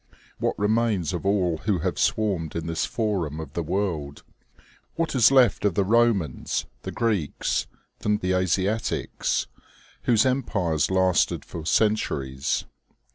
What remains of all who have swarmed in this forum of the world ? What is left of the Romans, the Greeks, and the Asiatics, whose em pires lasted for centuries